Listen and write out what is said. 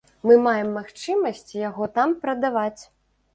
Мы маем магчымасць яго там прадаваць.